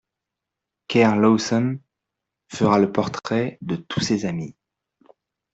Kerr-Lawson fera le portrait de tous ces amis.